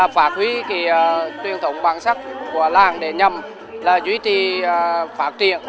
phát huy truyền thống bản sắc của làng để nhằm duy trì phát triển